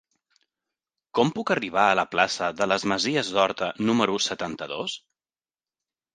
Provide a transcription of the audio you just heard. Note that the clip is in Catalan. Com puc arribar a la plaça de les Masies d'Horta número setanta-dos?